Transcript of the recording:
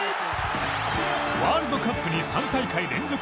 ワールドカップに３大会連続